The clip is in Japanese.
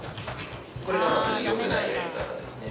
これがよくないやり方ですね。